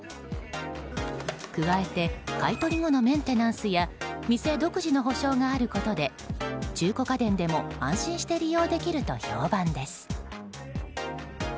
加えて買い取り後のメンテナンスや店独自の保証があることで中古家電でも安心して利用できると評判です。